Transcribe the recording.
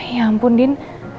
ya ampun undin